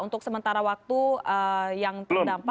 untuk sementara waktu yang terdampak